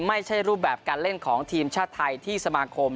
ไม่ใช่รูปแบบการเล่นของทีมชาติไทยที่สมาคม